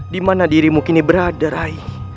dimana dirimu kini berada ray